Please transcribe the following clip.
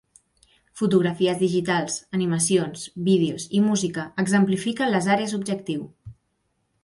Fotografies digitals, animacions, vídeos i música exemplifiquen les àrees objectiu.